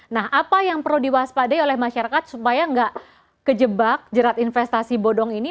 nah apa yang perlu diwaspadai oleh masyarakat supaya nggak kejebak jerat investasi bodong ini